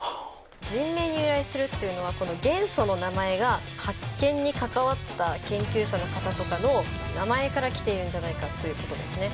「人名に由来する」っていうのはこの元素の名前が発見に関わった研究者の方とかの名前からきているんじゃないかということですね。